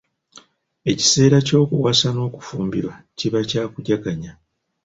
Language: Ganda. Ekiseera ky'okuwasa n'okufumbirwa kiba kyakujaganya.